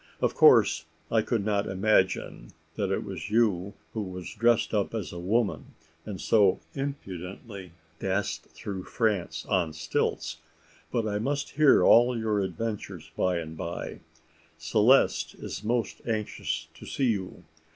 "Of course I could not imagine that it was you who was dressed up as a woman, and so impudently danced through France on stilts. But I must hear all your adventures, by and bye. Celeste is most anxious to see you.